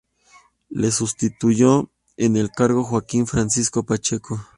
Le sustituyó en el cargo Joaquín Francisco Pacheco.